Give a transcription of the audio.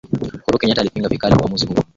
Uhuru kenyata alipinga vikali uamuzi huo